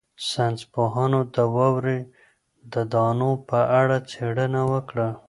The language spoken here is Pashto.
ساینس پوهانو د واورې د دانو په اړه څېړنه وکړه.